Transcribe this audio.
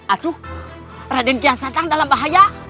aduh raden kian sedang dalam bahaya